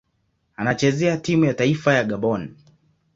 Anachezea timu ya taifa ya Gabon.